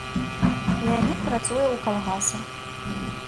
Леанід працуе ў калгасе.